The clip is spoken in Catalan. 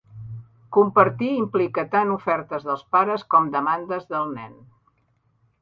Compartir implica tant ofertes dels pares com demandes del nen.